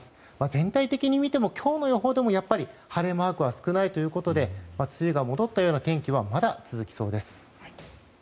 全体的に見ても今日の予報でもやっぱり晴れマークは少ないということで梅雨が戻ったような天気はまだ続きそうです。